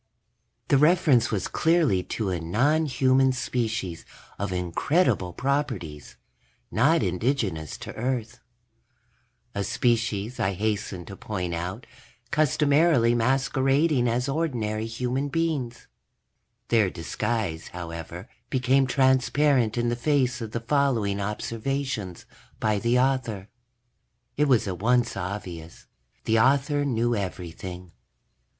The reference was clearly to a nonhuman species of incredible properties, not indigenous to Earth. A species, I hasten to point out, customarily masquerading as ordinary human beings. Their disguise, however, became transparent in the face of the following observations by the author. It was at once obvious the author knew everything.